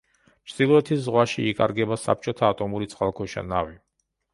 ჩრდილოეთის ზღვაში იკარგება საბჭოთა ატომური წყალქვეშა ნავი.